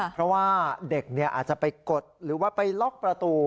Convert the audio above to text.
เพราะว่าเด็กอาจจะไปกดหรือว่าไปล็อกประตู